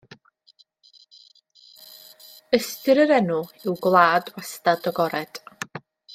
Ystyr yr enw yw gwlad wastad agored.